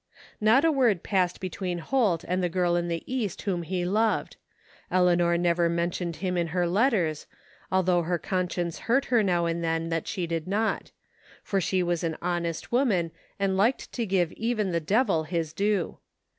Not a word passed between Holt and the girl in the East whom he loved. Eleanor never mentioned him in her letters, although her conscience hurt her now and then that she did not ; for she was an honest woman and liked to give even the devil his due.